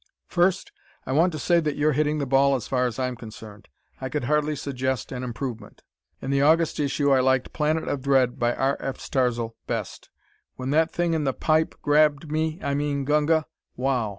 First, I want to say that you're hitting the ball as far as I'm concerned. I could hardly suggest an improvement. In the August issue I liked "Planet of Dread," by R. F. Starzl, best. When that thing in the "pipe" grabbed me, I mean Gunga, wow!